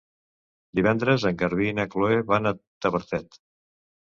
Divendres en Garbí i na Chloé van a Tavertet.